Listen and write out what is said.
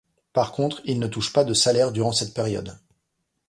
Par contre, il ne touche pas de salaire durant cette période.